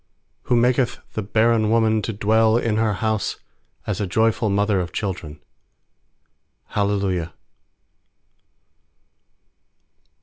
Who maketh the barren woman to dwell in her house As a joyful mother of children. Hallelujah.